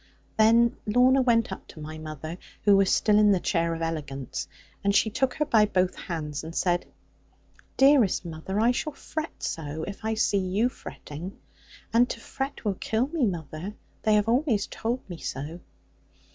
Then Lorna went up to my mother, who was still in the chair of elegance; and she took her by both hands, and said, 'Dearest mother, I shall fret so, if I see you fretting. And to fret will kill me, mother. They have always told me so.'